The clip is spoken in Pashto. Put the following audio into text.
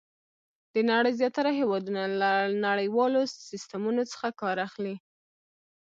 د نړۍ زیاتره هېوادونه له نړیوالو سیسټمونو څخه کار اخلي.